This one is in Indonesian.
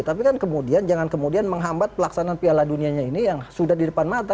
tapi kan kemudian jangan kemudian menghambat pelaksanaan piala dunianya ini yang sudah di depan mata